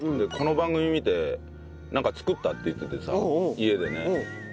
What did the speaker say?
この番組見てなんか作ったって言っててさ家でね。